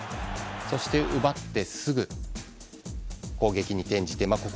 そして、奪ってすぐ攻撃に転じています。